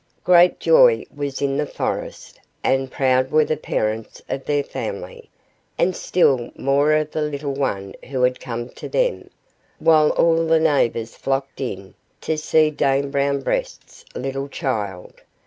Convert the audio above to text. Great joy was in the forest, and proud were the parents of their family, and still more of the little one who had come to them; while all the neighbors flocked in, to see Dame Brown Breast's little child.